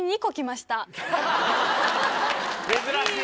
珍しい！